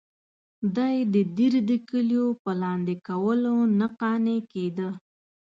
دی د دیر د کلیو په لاندې کولو نه قانع کېده.